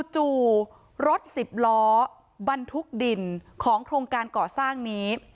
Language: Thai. จู่รถสิบล้อบรรทุกดินของโครงการก่อสร้างนี้